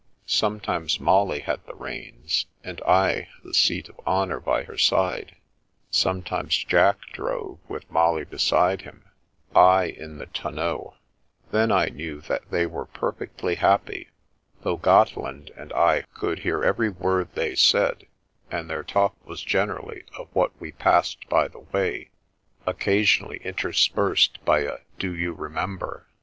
Sometimes Molly had the reins, and I the seat of honour by her side. Sometimes Jack drove, with Molly beside him, I in the tonneau; then I knew that they were perfectly happy, though Gotteland and I could hear every word they said, and their 29 30 The Princess Passes talk was generally of what we passed by the way, occasionally interspersed by a '* Do you remem ber?"